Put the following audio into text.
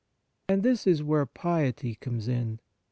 And this is where piety comes in.